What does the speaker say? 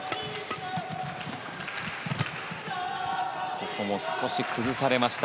ここも少し崩されました。